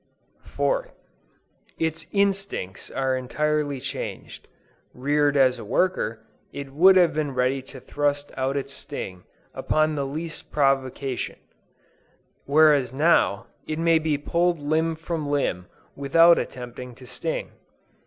4th. Its instincts are entirely changed. Reared as a worker, it would have been ready to thrust out its sting, upon the least provocation; whereas now, it may be pulled limb from limb, without attempting to sting.